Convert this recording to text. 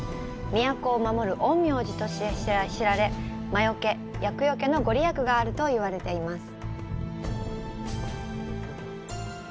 都を守る陰陽師として知られ魔よけ、厄よけの御利益があるといわれています。